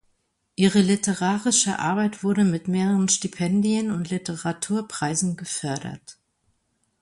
Ihre literarische Arbeit wurde mit mehreren Stipendien und Literaturpreisen gefördert.